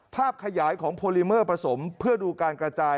ภาพขยายของโพลิเมอร์ผสมเพื่อดูการกระจาย